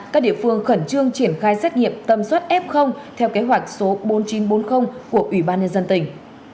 các địa phương khẩn trương triển khai xét nghiệm tâm suất f theo kế hoạch số bốn nghìn chín trăm bốn mươi của ubnd tỉnh